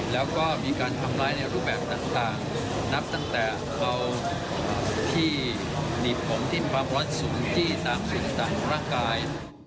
แล้วก็มีการทำลายในรูแบบต่างนับตั้งแต่เขาที่มีผมที่มีความร้อนสูงจี้ต่างร่างกาย